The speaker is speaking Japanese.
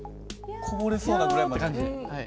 こぼれそうなぐらいまで。